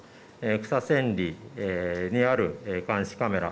草千里にある監視カメラ